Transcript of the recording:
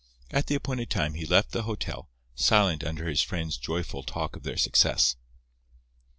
At the appointed time he left the hotel, silent under his friend's joyful talk of their success.